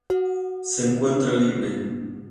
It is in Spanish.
Se encuentra libre.